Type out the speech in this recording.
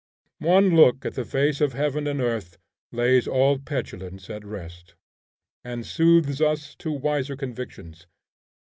One look at the face of heaven and earth lays all petulance at rest, and soothes us to wiser convictions.